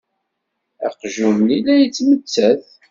Aqjun-nni la yettmettat.